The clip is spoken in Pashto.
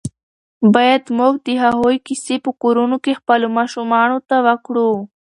باید موږ د هغوی کیسې په کورونو کې خپلو ماشومانو ته وکړو.